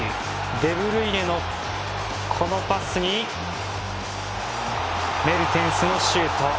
デブルイネのパスにメルテンスのシュート。